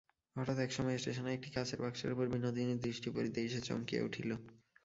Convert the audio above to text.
হঠাৎ এক সময়ে স্টেশনে একটি কাচের বাক্সের উপর বিনোদিনীর দৃষ্টি পড়িতেই সে চমকিয়া উঠিল।